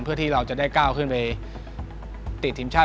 เพื่อที่เราจะได้ก้าวขึ้นไปติดทีมชาติ